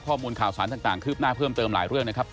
ข้อมูลข่าวสารต่างคืบหน้าเพิ่มเติมหลายเรื่องนะครับ